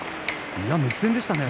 熱戦でしたね。